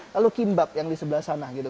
lalu kimbab yang di sebelah sana gitu